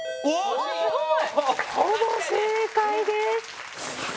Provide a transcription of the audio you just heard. ほぼ正解です。